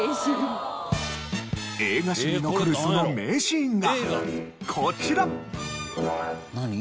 映画史に残るその名シーンがこちら。